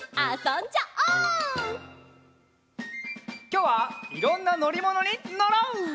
きょうはいろんなのりものにのろう！